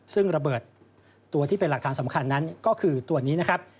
ซึ่งระเบิดตัวที่เป็นหลักฐานสำคัญนั้นก็คือตัวนี้นะครับ